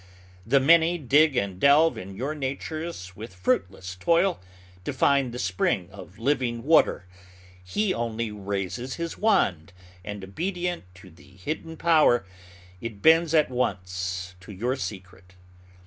The many dig and delve in your nature with fruitless toil to find the spring of living water: he only raises his wand, and, obedient to the hidden power, it bends at once to your secret.